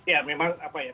ya memang apa ya